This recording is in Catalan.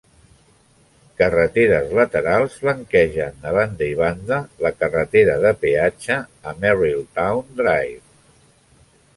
Carreteres laterals flanquegen a banda i banda la carretera de peatge a Merrilltown Drive.